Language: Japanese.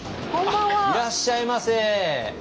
いらっしゃいませ。